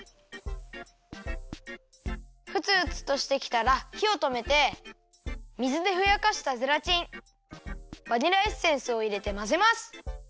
ふつふつとしてきたらひをとめて水でふやかしたゼラチンバニラエッセンスをいれてまぜます。